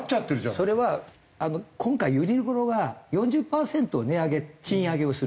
それは今回ユニクロが４０パーセント値上げ賃上げをする。